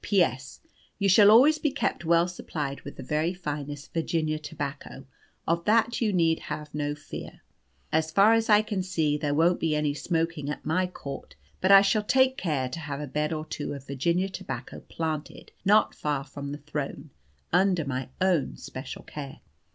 "P.S. You shall always be kept well supplied with the very finest Virginia tobacco, of that you need have no fear. As far as I can see there won't be any smoking at my court, but I shall take care to have a bed or two of Virginia tobacco planted not far from the throne, under my own special care.